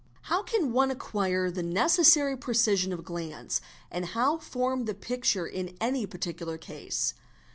_ How can one acquire the necessary precision of glance and how form the picture in any particular case?